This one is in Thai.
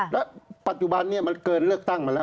แล้วปัจจุบันนี้มันเกินเลือกตั้งมาแล้ว